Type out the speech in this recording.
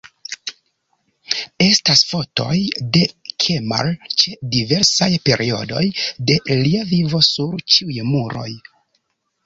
Estas fotoj de Kemal ĉe diversaj periodoj de lia vivo sur ĉiuj muroj.